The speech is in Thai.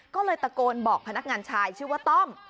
ก็เลยตะโกนบอกพนักงานชายชื่อว่าต้อม